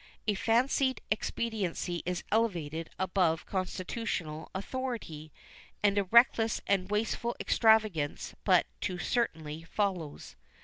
A fancied expediency is elevated above constitutional authority, and a reckless and wasteful extravagance but too certainly follows.